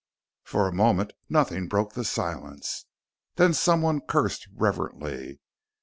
For a moment, nothing broke the silence. Then someone cursed reverently.